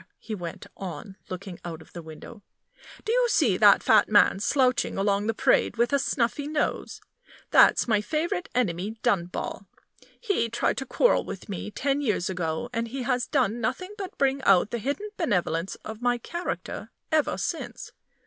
he went on, looking out of the window; "do you see that fat man slouching along the Parade, with a snuffy nose? That's my favorite enemy, Dunball. He tried to quarrel with me ten years ago, and he has done nothing but bring out the hidden benevolence of my character ever since.